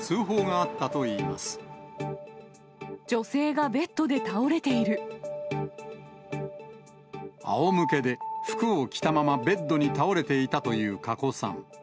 あおむけで服を着たままベッドに倒れていたという加古さん。